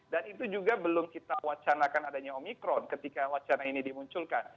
dan itu juga belum kita wacanakan adanya omikron ketika wacana ini dimunculkan